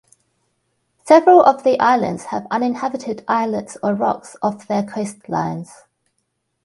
Several of the islands have uninhabited islets or rocks off their coastlines.